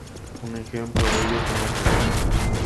Un ejemplo de ello son las bodegas.